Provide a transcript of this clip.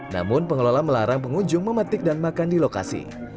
namun pengelola melarang pengunjung memetik dan makan di lokasi